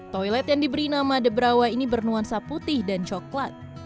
toilet yang diberi nama debrawa ini bernuansa putih dan coklat